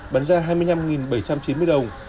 bán ra hai mươi năm bảy trăm chín mươi đồng